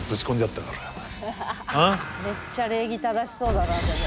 めっちゃ礼儀正しそうだなでも。